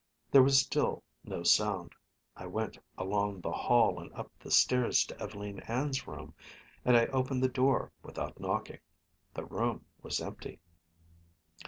There was still no sound. I went along the hall and up the stairs to Ev'leen Ann's room, and I opened the door without knocking. The room was empty.